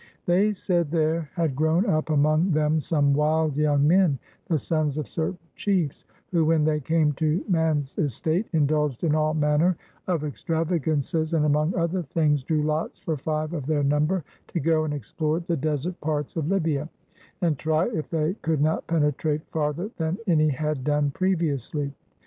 They said there had grown up among them some wild young men, the sons of certain chiefs, who, when they came to man's estate, indulged in all manner of extravagances, and, among other things, drew lots for five of their number to go and explore the desert parts of Libya, and try if they could not pene trate farther than any had done previously.